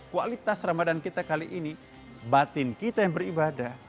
kualitas ramadan kita kali ini batin kita yang beribadah